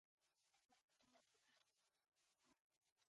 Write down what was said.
Principal photography commenced very soon after the launch.